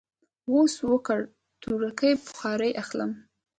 وس ورکړ، تورکي بخارۍ اخلم.